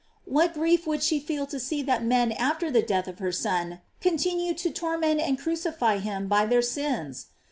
What grief would she feel to see that men after the death of her Son, continue to torment and crucify him by their sins?